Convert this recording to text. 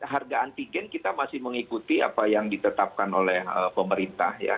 harga antigen kita masih mengikuti apa yang ditetapkan oleh pemerintah ya